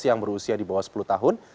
yang berusia di bawah sepuluh tahun